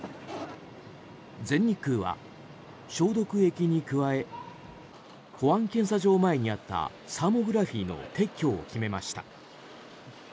全日空は消毒液に加え保安検査場前にあったサーモグラフィーの撤去を決めました。